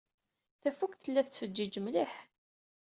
Tafukt tella tettfeǧǧiǧ mliḥ.